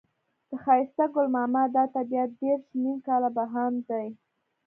د ښایسته ګل ماما دا طبيعت دېرش نيم کاله بهاند دی.